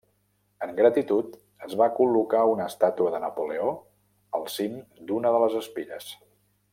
En gratitud, es va col·locar una estàtua de Napoleó al cim d'una de les espires.